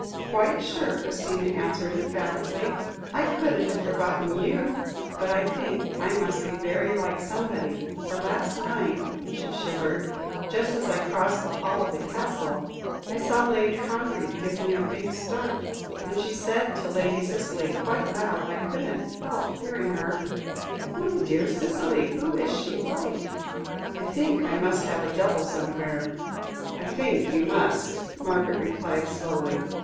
"Quite sure," Christina answered emphatically. "I couldn't have forgotten you. But I think I must be very like somebody, for last night" she shivered "just as I crossed the hall of the Castle, I saw Lady Congreve give a big start, and she said to Lady Cicely quite loud, I couldn't help hearing her 'My dear Cicely, who is she like?' I think I must have a double somewhere." "I think you must," Margaret replied slowly.